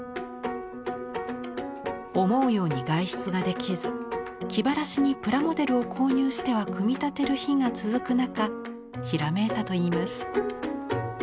思うように外出ができず気晴しにプラモデルを購入しては組み立てる日が続く中ひらめいたといいます。